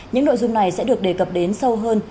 những nội dung này sẽ được đề cập đến sâu hơn